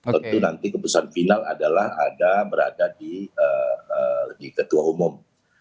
tentu nanti keputusan final adalah ada berada di ketua umum